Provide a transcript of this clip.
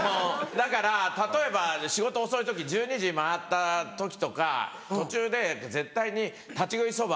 だから例えば仕事遅い時１２時回った時とか途中で絶対に立ち食いそば。